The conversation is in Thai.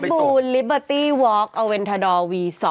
แมทบูนลิเบอตี้วอคเอาเวนทาดอลวี๒